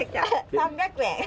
３００円。